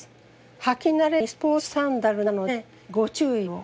はきなれないスポーツサンダルなのでご注意を。